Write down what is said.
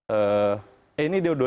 eh ini dia dua ribu sembilan belas ya